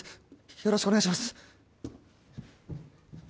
よろしくお願いします